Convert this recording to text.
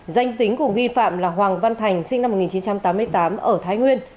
danh tính của nghi phạm là hoàng văn thành sinh năm một nghìn chín trăm tám mươi tám ở thái nguyên